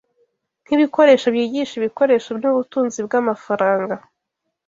nkibikoresho byigisha ibikoresho nubutunzi bwamafaranga